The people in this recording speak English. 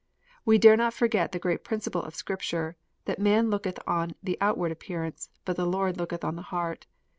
We dare not forget the great principle of Scripture, that "man looketh on the outward appearance, but the Lord looketh on the heart."